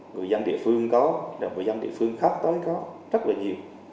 người dân địa phương có người dân địa phương khác tới có rất là nhiều